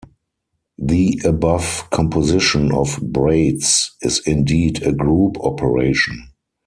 The above composition of braids is indeed a group operation.